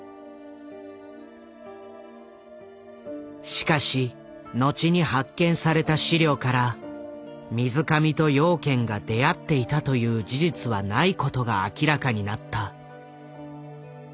しかし後に発見された資料から水上と養賢が出会っていたという事実はないことが明らかになった。